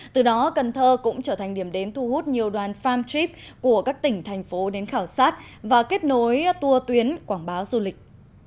từ đó cần thơ cũng trở thành điểm đến thu hút nhiều đoàn farm trip của các tỉnh thành phố đến khảo sát và kết nối tour tuyến quảng bá du lịch